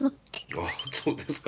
わあそうですか。